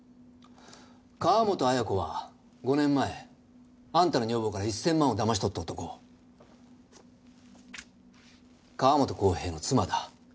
川本綾子は５年前あんたの女房から１０００万をだましとった男川本浩平の妻だ。